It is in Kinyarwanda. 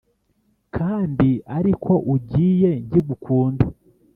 kandi ariko ugiye nkigukunda?